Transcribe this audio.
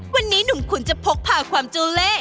วันนี้หนุ่มขุนจะพกพาความเจ้าเล่